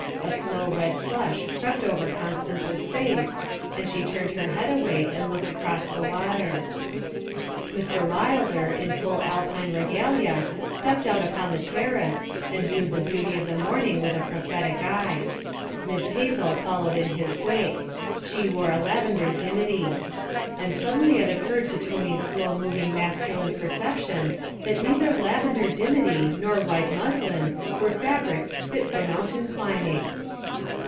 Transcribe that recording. A slow red flush crept over Constance's face, and she turned her head away and looked across the water. Mr. Wilder, in full Alpine regalia, stepped out upon the terrace and viewed the beauty of the morning with a prophetic eye. Miss Hazel followed in his wake; she wore a lavender dimity. And suddenly it occurred to Tony's slow moving masculine perception that neither lavender dimity nor white muslin were fabrics fit for mountain climbing.